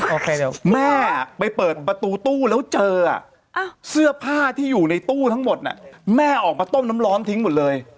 โอเคแม่ไปเปิดประตูตู้แล้วเจอเสื้อผ้าที่อยู่ในตู้ทั้งหมดแม่ออกมาต้มน้ำร้อนทิ้งหมดเลย